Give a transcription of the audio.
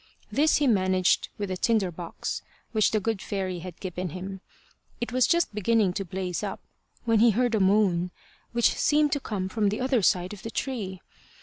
This he managed with a tinder box, which the good fairy had given him. It was just beginning to blaze up, when he heard a moan, which seemed to come from the other side of the tree.